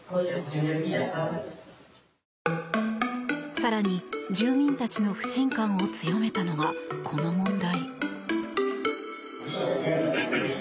更に、住民たちの不信感を強めたのが、この問題。